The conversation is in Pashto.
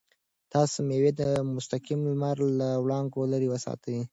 تاسو مېوې د مستقیم لمر له وړانګو لرې وساتئ.